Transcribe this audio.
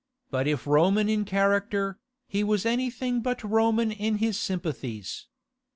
But if Roman in character, he was anything but Roman in his sympathies.